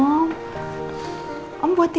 iya kamu buat aja